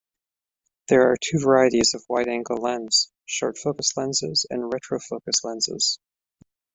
There are two varieties of wide-angle lens: short-focus lenses and retrofocus lenses.